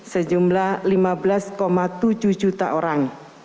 sejumlah lima belas tujuh juta orang